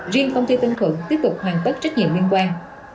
riêng công ty tân thuận tiếp tục hoàn tất trách nhiệm liên quan